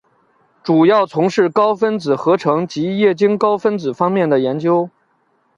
主要从事高分子合成及液晶高分子方面的研究。